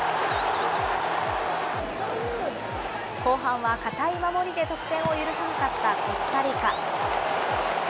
後半は堅い守りで得点を許さなかったコスタリカ。